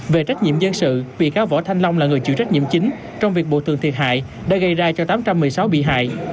về trách nhiệm dân sự bị cáo võ thanh long là người chịu trách nhiệm chính trong việc bộ tường thiệt hại đã gây ra cho tám trăm một mươi sáu bị hại